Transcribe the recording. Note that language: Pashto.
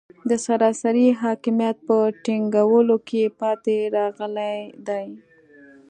د سراسري حاکمیت په ټینګولو کې پاتې راغلي دي.